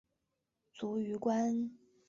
卒于官。